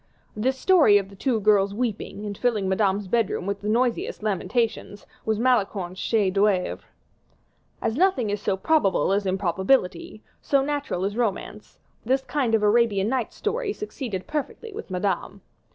This story of the two girls weeping, and filling Madame's bedroom with the noisiest lamentations, was Malicorne's chef d'oeuvre. As nothing is so probable as improbability, so natural as romance, this kind of Arabian Nights story succeeded perfectly with Madame.